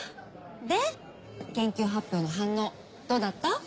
で研究発表の反応どうだった？